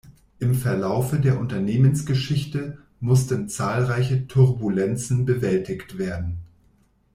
Im Verlaufe der Unternehmensgeschichte mussten zahlreiche Turbulenzen bewältigt werden.